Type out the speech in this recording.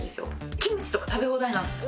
キムチとか食べ放題なんですよ。